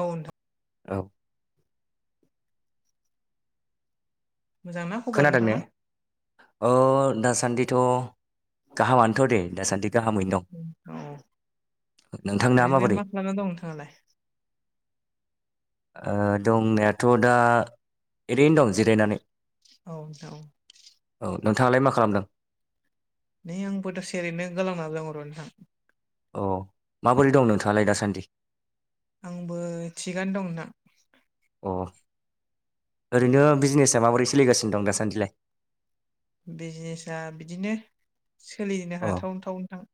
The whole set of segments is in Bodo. औ नोंथां। औ मोजांना खबर खोनादों ने? नोंथाङा औ दासान्दिथ' गाहामानोथ' दे दासान्दि। गाहामैनो औ दं नोंथांना ओरैनो माबोरै मा खालामानानै दं नोंथाङालाय? दंनायाथ' दा ओरैनो दं जिरायनानै। औ औ नोंथां औ। औ नोंथाङालाय मा खालामदों? नै आंबोथ' दसे ओरैनो गोलांना दं र' नोंथां। अ माबोरै दं नोंथाङालाय दासान्दि? आंबो थिगानो दं नोंथां। अ ओरैनो बिजनेसा माबोरै सोलिगासिनो दं दासान्दिलाय? बिजनेसा बिदिनो। सोलिनो अ ओं हाथाव थावनो नोंथां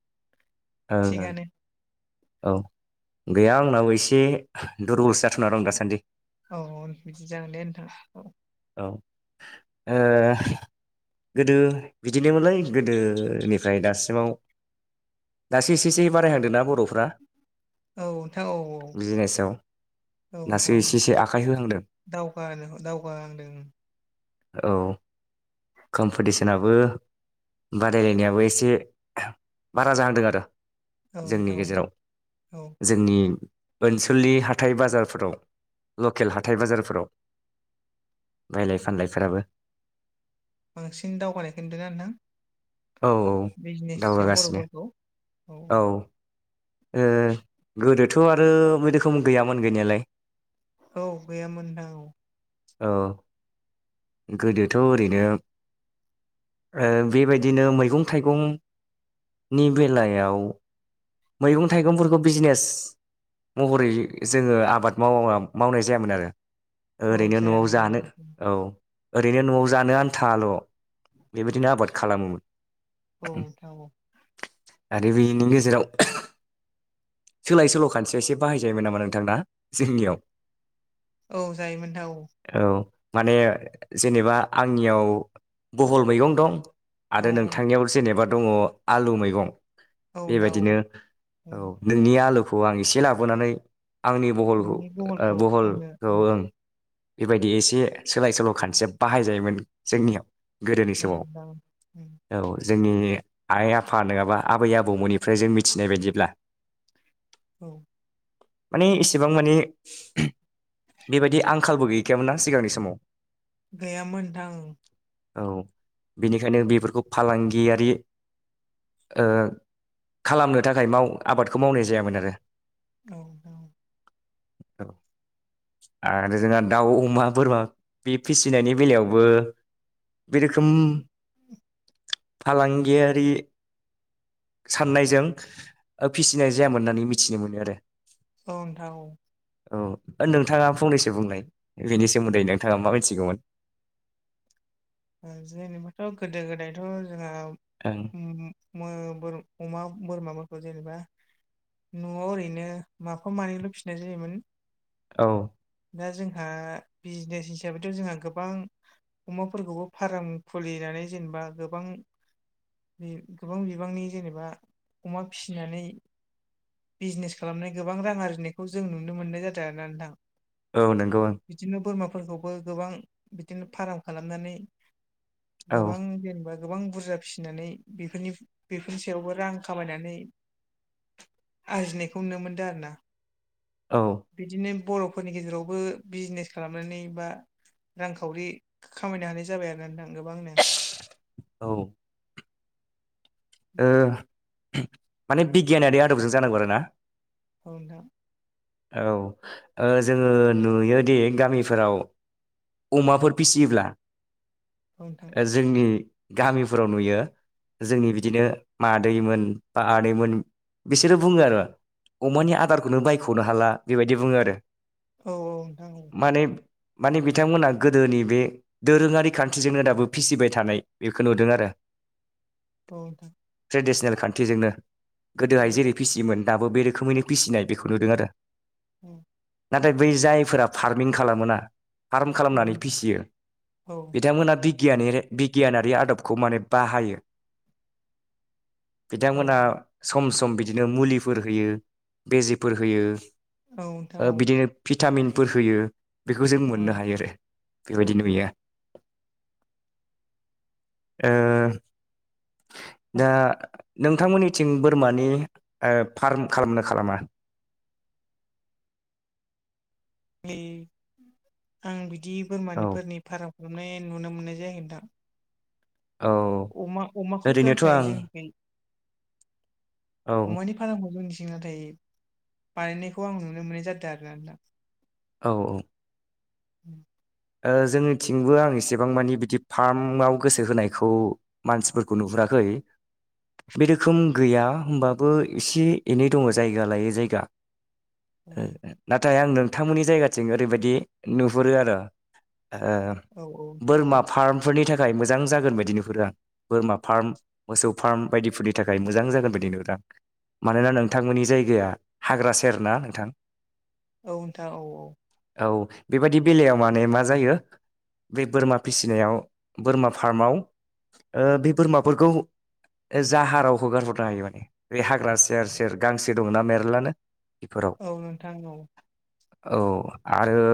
ओं थिगानो। औ गैया आंनावो एसे दुरबल जाथ' ना दों दासान्दि। औ औ बिदि जागोन दे नोंथां औ। औ ओ गोदो बिदिनोमोनलाय गोदोनिफ्राय दासिमाव दासो एसे एसे बारायहांदोंना बर'फ्रा औ नोंथां औ बिजनेसआव। दासो एसे एसे आखाइ होहांदों। दावगा दावगाहांदों। औ कम्पिटिसनाबो बादायलायनायाबो एसे बारा जाहांदों आरो। औ जोंनि नोंथां औ गेजेराव औ जोंनि ओनसोलनि हाथाइ बाजारफोराव लकेल हाथाइ बाजारफोराव बायलाय फानलायफोराबो बांसिन दावगानायखो नुदों आरोना। औ बिजनेसआव दावगागासिनो बर'फोरखौ औ गोदोथ' आरो बे रोखोम गैयामोन गैनायालाय औ गैयामोन नोंथां औ। औ गोदोथ' ओरैनो ओ बेबायदिनो मैगं थाइगंनि बेलायाव मैगं थाइगंफोरखौ बिजनेस महरै जोङो आबाद माव मावनाय जायामोन आरो। औ ओरैनो न'आव जायामोन औ जानो औ। ओरैनो न'आव जानो आन्थाल' बेबायदिनो आबाद खालामोमोन। औ नोंथां औ। आरो बिनि गेजेराव सोलाय सोल' खान्थिया एसे बाहायजायोमोन नामा नोंथां ना जोंनियाव? औ जायोमोन नोंथां औ। औ माने जेनेबा आंनियाव बहल मैगं दं। औ आरो नोंथांनियाव जेनेबा दङ आलु मैगं। औ नोंथां औ। बेबायदिनो औ उम नोंनि आलुखौ आं एसे लाबोनानै आंनि बहलखौ नोंनि गगलखौ आंनो बहलखौ उम ओं बेबायदि एसे सोलाय सोल' खानसे बाहायजायोमोन जोंनियाव गोदोनि औ समाव। दां औ जोंनि आइ आफा नङाबा आबै आबौमोननिफ्राय जों मिथिनाय बायदिब्ला औ माने इसेबां माने बेबायदि आं आंखालबो गैखायामोनना सिगांनि समाव गैयामोन नोंथां औ औ बेनिखायनो बेफोरखौ फालांगियारि ओ खालामनो थाखाय माव आबादखौ मावनाय जायामोन आरो औ औ औ आरो जोंना दाउ अमा बोरमा बे फिसिनायनि बेलायावबो बे रोखोम [inaudible] फालांगियारि फाननायजों फिसिनाय जायामोन होननानै मिथिनो मोनो आरो अ नोंथां औ औ नोंथाङा फंनैसो बुंनाय बेनि सोमोन्दै नोंथाङा मा मिथिगौमोन जेनेबाथ' गोदो गोदायथ' जोंहा ओं ओम मो अमा बोरमाफोरखौ जेनेबा न'आव ओरैनो माफा मानैल' फिसिनाय जायोमोन औ दा जोंहा बिजनेस हिसाबैथ' जोंहा गोबां अमाफोरखौबो फाराम खुलिनानै जेनेबा गोबां बे गोबां बिबांनि जेनेबा अमा फिसिनानै बिजनेस खालामनाय गोबां रां आरजिनायखौ जों नुनो मोननाय जादों आरोना नोंथां औ नंगौ ओं बिदिनो बोरमाफोरखौबो गोबां बिदिनो फार्म खालामनानै औ गोबां जेनेबा गोबां बुरजा फिसिनानै बेफोरनि बेफोरनि सायावबो रां खामायनानै आरजिनायखौ नुनो मोनदों आरोना औ बिदिनो बर'फोरनि गेजेरावबो बिजनेस खालामनानै बा रांखावरि खामायनो हानाय जाबाय आरोना नोंथां गोबांनो औ ओ माने बिगियानारि आदबजों जानांगौ आरोना ओ नोंथां औ जोङो नुयोदि गामिफोराव अमाफोर फिसियोब्ला ओ नोंथां जोंनि गामिफोराव नुयो जोंनि बिदिनो मादैमोन बा आदैमोन बिसोरो बुङो आरो अमानि आदारखौनो बायख'नो हाला बेबायदि बुङो आरो औ-औ नोंथां औ माने माने बिथांमोना गोदोनि बे दोरोङारि खान्थिजोंनो दाबो फिसिबाय थानाय बेखौ नुदों आरो औ नोंथां ट्रेडिसेनेल खान्थिजोंनो गोदोहाय औ जेरै फिसियोमोन दाबो बे रोखोमैनो फिसिनाय बेखौ नुदों आरो उम नाथाय बै जायफोरा फार्मिं खालामोना फार्म खालामनानै नोंथां फिसियो औ नोंथां औ बिथांमोना बि गियानारि बिगियानारि आदबखौ माने बाहायो औ बिथांमोनहा सम सम बिदिनो मुलिफोर होयो बिजिफोर होयो नोंथां ओ औ बिदिनो भिटामिनफोर होयो बेखौ जों औ मोननो हायो आरो औ नोंथां औ बेबायदि नुयो ओ दा नोंथांमोननिथिं बोरमानि फार्म खालामनो खालामा ए आं बिदि औ बोरमानिफोरनि फाराम खालामनाय नुनो मोननाय जायाखै नोंथां औ अमा अमाखौ ओरैनोथ' जथाय आं जोंनि औ अमानि खालामनायखौ मिथियो नाथाय बानायनायखौ आं नुनो मोननाय जादों आरोना नोंथां औ औ उ जोंनिथिंबो आं एसेबां मानि बिदि फार्माव गोसो होनायखौ मानसिफोरखौ नुहुराखै बे रोखोम गैया होमबाबो एसे एनै दङ जायगा लायै जायगा नाथाय आं नोंथांमोननि जायगाथिं ओरैबायदि नुहुरो आरो नोंथां औ औ बोरमा फार्मफोरनि थाखाय मोजां जागोन बायदि नुहुरो आं बोरमा फार्म मोसौ फार्म बायदिफोरनि थाखाय मोजां जागोन बायदि नुदों आं मानोना नोंथांमोननि जायगाया हाग्रा सेर ना नोंथां औ नोंथां औ औ औ बेबायदि बेलायाव माने मा जायो बे बोरमा फिसिनायाव बोरमा फार्माव ओ बे बोरमाफोरखौ जाहाराव हगारहरनो हायो माने बे हाग्रा सेर सेर गांसो दङना मेरलानो बेफोराव औ नोंथां औ औ आरो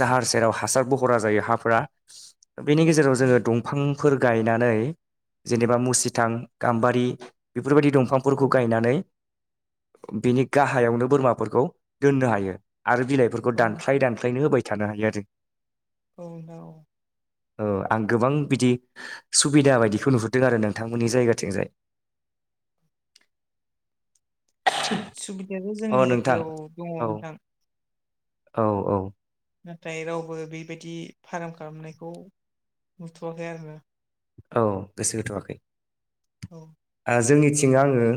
जाहार सेराव हासार बहरा जायो हाफोरा बेनि गेजेराव औ जोङो दं फांफोर गायनानै जेनेबा मुसिथां गाम्बारि बेफोरबायदि दंफां औ फोरखौ गायनानै बिनि गाहायावनो बोरमाफोरखौ दोननो हायो आरो बिलाइफोरखौ औ दानफ्लाय दान खायनो होबाय थानो हायो आरो औ नोंथां औ ओ आं गोबां बिदि सुबिदा बायदिखौ नुहरदों आरो नोंथांमोननि जायगाथिंजाय सुबिदायाथ जोंनि अ नोंथां जायगायाव दङ औ नोंथां औ औ नाथाय रावबो बेबायदि फार्म खालामनायखौ नुथ'वाखै आरोना औ गोसो होथ'वाखै औ जोंनिथिं आङो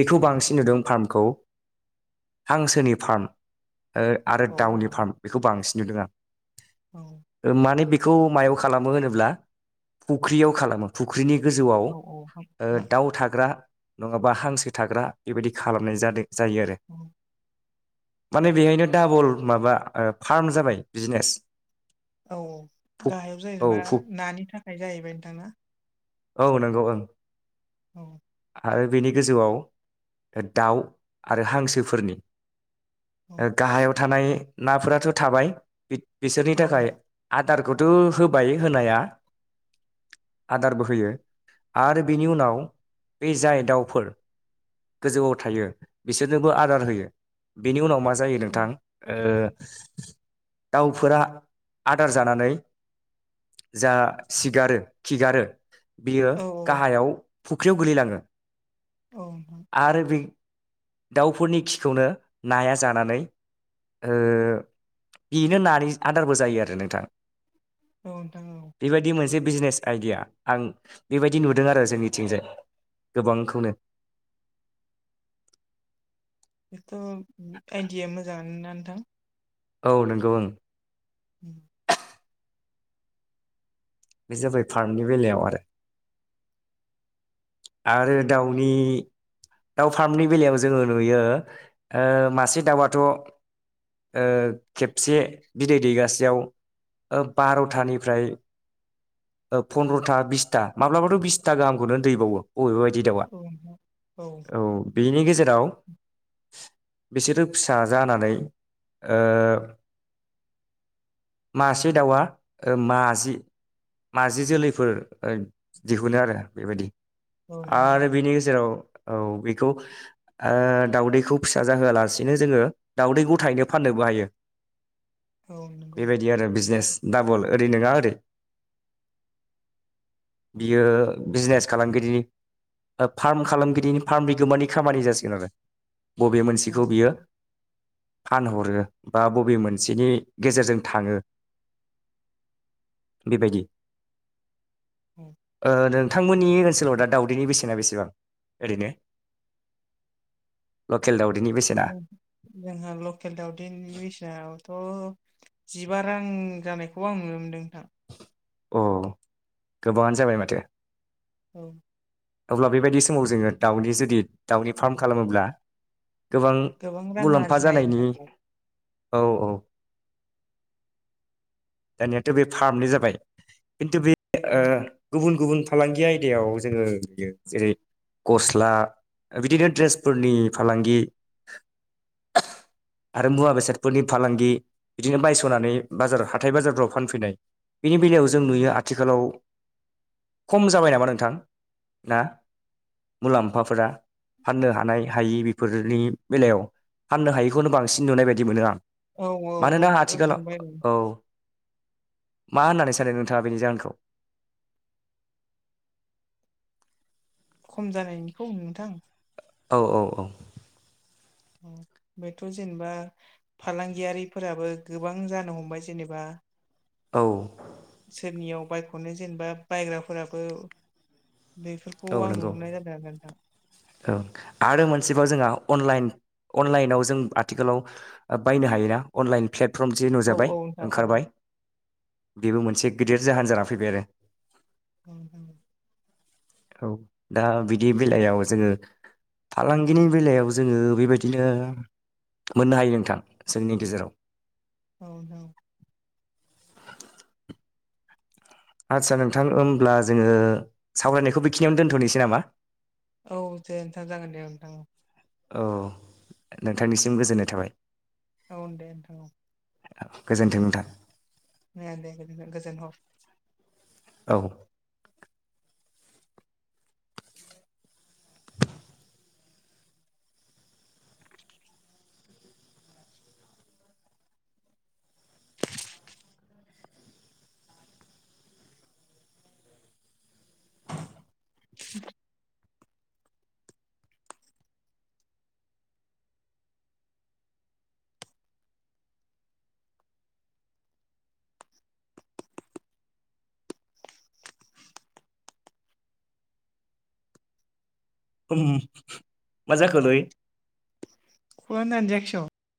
बेखौ बांसिन नुदों फार्मखौ हांसोनि फार्म आरो औ दाउनि फार्म बेखौ बांसिन नुदों आं औ माने बेखौ मायाव खालामो होनोब्ला फुख्रियाव खालामो फुख्रिनि गोजौआव औ औ दाउ थाग्रा नङाबा हांसो थाग्रा बेबायदि खालामनाय जादों जायो आरो उ माने बेहायनो दाबल माबा फार्म जाबाय बिजनेस औ औ फुक गाहायाव जाहैबाय मा औ फुक नानि थाखाय जाहैबाय नोंथां औ नंगौ ओं औ आरो बेनि गोजौआव दाउ आरो हांसोफोरनि औ गाहायाव थानाय नाफोराथ' थाबाय बिसोरनि औ थाखाय नोंथां आदारखौथ' होबाय होनाया आदारबो होयो आरो बिनि उनाव बे जाय दाउफोर गोजौआव थायो बिसोरनोबो आदार होयो बेनि उनाव मा जायो औ नोंथां दाउफोरा आदार जानानै जा सिगारो खिगारो बियो औ गाहायाव फुख्रियाव गोलैलाङो औ नोंथां। आरो बि दाउफोरनि खिखौनो नाया जानानै ओ बेनो नानि आदारबो जायो आरो नोंथां। औ नोंथां औ। बेबायदि मोनसे बिजनेस आइडिया आं बेबायदि नुदों आरो जोंनिथिंजाय। गोबांखौनो बेथ' आइडया मोजाङानोना नोंथां। औ नंगौ ओं उम बे जाबाय फार्मनि बेलायाव आरो। आरो दाउनि दाउ फार्मनि बेलायाव जोङो नुयो ओ मासे दाउआथ' खेबसे बिदै दैगासेयाव ओ बार'थानिफ्राय पनन्द्र'था बिसथा माब्लाबाथ' बिसथा गाहामखौनो दैबावो अबे बादि दाउआ औ नोंथां औ बेनि गेजेराव बिसोरो फिसा जानानै ओ मासे दाउआ माजि माजि जोलैफोर दिहुनो आरो बेबायदि। औ नंगौ आरो औ बेनि गेजेराव औ बेखौ ओ दाउदैखौ फिसा जाहोआलासिनो जोङो दाउदै गथायैनो फाननोबो हायो। औ नंगौ बेबायदि आरो बिजनेस डाबल ओरै नङा ओरै। औ बियो बिजनेस खालामगिरिनि फार्म खालामगिरिनि फार्म बिगोमानि खामानि जासिगोन आरो बबे औ मोनसेखौ बियो फानहरो बा बबे मोनसेनि गेजेरजों थाङो बेबायदि औ नोंथांमोननि ओनसोलाव दा दाव दैनि बेसेना बेसेबां ओरैनो लकेल दावदैनि बेसेना जोंहा लकेल दावदैनि बिसनायावथ' जिबा रां जानायखौ आं नुनो मोनदों नोंथां। औ गोबाङानो जाबाय माथो। औ अब्ला बेबायदि समाव जोङो दाउनि जुदि दाउनि फार्म खालामोब्ला गोबां रां मुलाम्फा आरजिनो हायो जानायनि नोंथां औ औ दानियाथ' बे फार्मनि जाबाय खिन्थु बे औ ओ गुबुन गुबुन फालांगि आयदायाव जोङो नुयो जेरै गस्ला बिदिनो दड्रेसफोरनि फालांगि आरो मुवा बेसादफोरनि फालांगि बिदिनो बायस'नानै बाजाराव हाथाय बाजारफ्राव फानफैनाय बेनि बेलायाव जों नुयो आथिखालाव खम जाबाय नामा नोंथां ना। मुलाम्फाफोरा फाननो हानाय हायि बेफोरनि बेलायाव फाननो हायिखौनो बांसिन नुनाय बायदि मोनो आं। औ औ मानोना औ गोबाय आथिखालाव औ मा होननानै सानो नोंथाङा बेनि जाहोनखौ खम जानायनिखौ नोंथां? औ औ औ औ बेथ' जेनेबा। फालांगियारिफोराबो गोबां जानो हमबाय जेनेबा औ सोरनियाव बायख'नो जेनेबा बायग्राफोराबो बे खौ औ आं नंगौ नुहरनाय जादों आरो नोंथां। औ आरो मोनसेबाव जोंहा अनलाइन अनलाइनाव जों आथिखालाव बायनो हायोना? अनलाइन प्लेटफर्म जि औ नोजाबाय औ नोंथां औ ओंखारबाय। बेबो मोनसे गिदिर जाहोन जाना फैबाय आरो। औ औ औ दा बिदि बेलायाव जोङो फालांगिनि बेलायाव जोङो बेबायदिनो मोननो हायो नोंथां जोंनि गेजेराव औ नोंथां औ। आटसा नोंथां होमब्ला जोङो सावरायनायखौ बेखिनियावनो दोनथ'नोसै नामा? औ दे नोंथां जागोन दे नोंथां। औ नोंथांनिसिम गोजोननाय थाबाय। औ दे औ। गोजोन्थों नोंथां। [inaudible] गोजोन हर। औ। [unintelligible] मा जाखोलै? कलानो दानजायाखि स'?